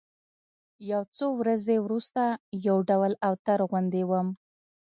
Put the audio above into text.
يو څو ورځې وروسته يو ډول اوتر غوندې وم.